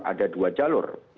ada dua jalur